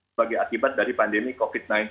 sebagai akibat dari pandemi covid sembilan belas